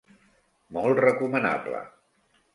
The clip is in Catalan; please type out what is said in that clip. Molt recomanable.